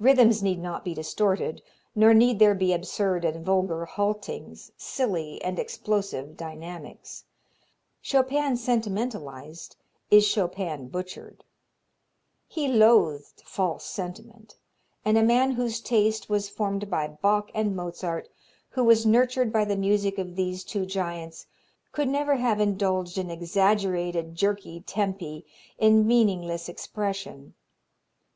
Rhythms need not be distorted, nor need there be absurd and vulgar haltings, silly and explosive dynamics. Chopin sentimentalized is Chopin butchered. He loathed false sentiment, and a man whose taste was formed by Bach and Mozart, who was nurtured by the music of these two giants, could never have indulged in exaggerated, jerky tempi, in meaningless expression.